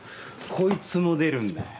こいつも出るんだよ。